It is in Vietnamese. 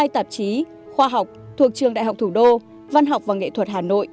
hai tạp chí khoa học thuộc trường đại học thủ đô văn học và nghệ thuật hà nội